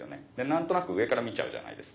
何となく上から見ちゃうじゃないですか。